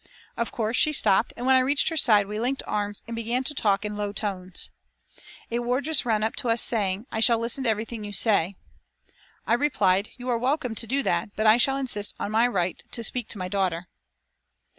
Of course she stopped, and when I reached her side we linked arms and began to talk in low tones. A wardress ran up to us, saying: "I shall listen to everything you say." I replied: "You are welcome to do that, but I shall insist on my right to speak to my daughter."